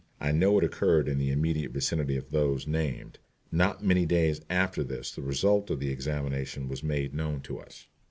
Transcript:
I know it occurred in the immediate vicinity of those named. Not many days after this the result of the examination was made known to us.